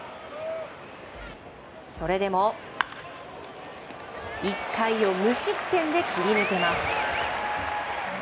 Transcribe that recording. それでも１回を無失点で切り抜けます。